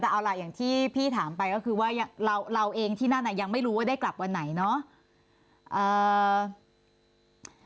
แต่เอาล่ะอย่างที่พี่ถามไปก็คือว่าเราเองที่นั่นยังไม่รู้ว่าได้กลับวันไหนเนาะ